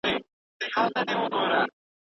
د نورو اذیت کول په اسلام کي ځای نه لري.